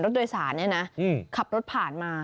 โดยสารเนี่ยนะขับรถผ่านมา